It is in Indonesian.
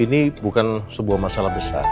ini bukan sebuah masalah besar